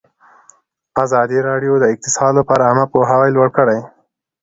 ازادي راډیو د اقتصاد لپاره عامه پوهاوي لوړ کړی.